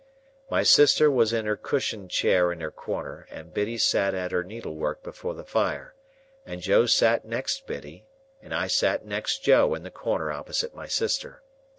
My sister was in her cushioned chair in her corner, and Biddy sat at her needle work before the fire, and Joe sat next Biddy, and I sat next Joe in the corner opposite my sister.